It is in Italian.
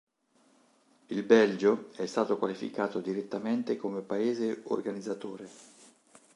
Il Belgio è stato qualificato direttamente come paese organizzatore.